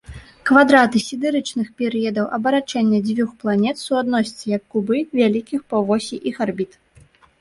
Квадраты сідэрычных перыядаў абарачэння дзвюх планет суадносяцца як кубы вялікіх паўвосей іх арбіт.